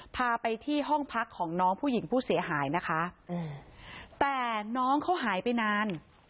พาไปที่ห้องพักของน้องผู้หญิงผู้เสียหายนะคะแต่น้องเขาหายไปนาน